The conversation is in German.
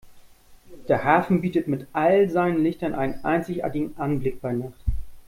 Der Hafen bietet mit all seinen Lichtern einen einzigartigen Anblick bei Nacht.